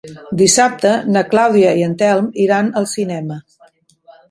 Dissabte na Clàudia i en Telm iran al cinema.